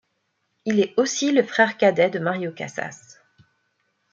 Il est aussi le frère cadet de Mario Casas.